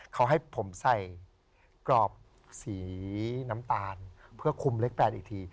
เขาให้ผมใส่กรอบสีน้ำตาลเพื่อคุมเลข๘อีกที